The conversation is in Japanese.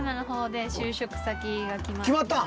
決まったん？